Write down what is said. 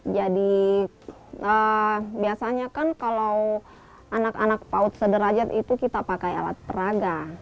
jadi biasanya kan kalau anak anak paut sederajat itu kita pakai alat peraga